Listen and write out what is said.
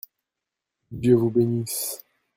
Dieu vous bénisse !